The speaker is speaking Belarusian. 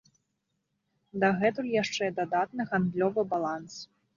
Дагэтуль яшчэ дадатны гандлёвы баланс.